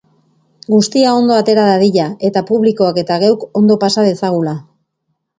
Guztia ondo atera dadila eta publikoak eta geuk ondo pasa dezagula.